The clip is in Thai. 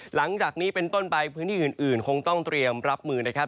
หลังจากนี้เป็นต้นไปพื้นที่อื่นคงต้องเตรียมรับมือนะครับ